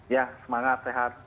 ya semangat sehat